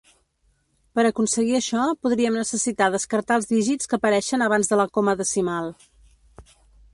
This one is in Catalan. Per aconseguir això, podríem necessitar descartar els dígits que apareixen abans de la coma decimal.